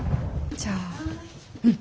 じゃあうん。